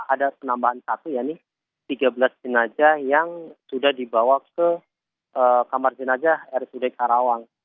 ada penambahan satu yaitu tiga belas sinaja yang sudah dibawa ke kamar sinaja rsud karawang